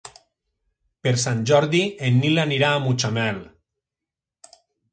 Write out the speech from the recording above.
Per Sant Jordi en Nil anirà a Mutxamel.